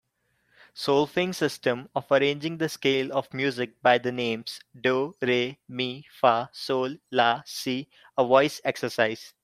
Solfaing system of arranging the scale of music by the names do, re, mi, fa, sol, la, si a voice exercise